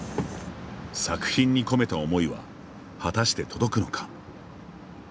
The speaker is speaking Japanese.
作品に込めた思いは果たして届くのか。